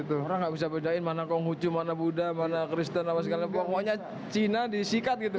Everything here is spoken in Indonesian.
orang nggak bisa bedain mana konghucu mana buddha mana kristen apa segala pokoknya cina disikat gitu